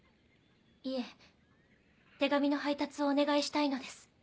いえ手紙の配達をお願いしたいのです。